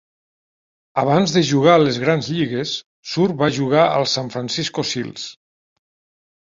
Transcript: Abans de jugar a les grans lligues, Suhr va jugar als San Francisco Seals.